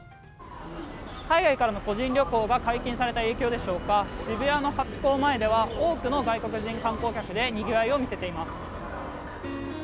海外からの個人旅行が解禁された影響でしょうか渋谷のハチ公前では多くの外国人観光客でにぎわいを見せています。